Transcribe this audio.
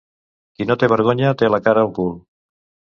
Qui no té vergonya té la cara al cul.